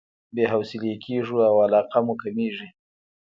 بې حوصلې کېږو او علاقه مو کميږي.